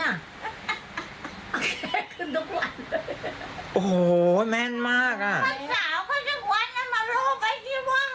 แก่ขึ้นทุกวันเลย